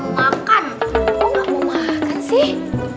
kok nggak mau makan sih